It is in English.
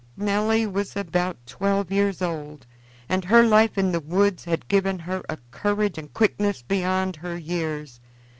Nelly was about twelve years old, and her life in the woods had given her a courage and quickness beyond her years.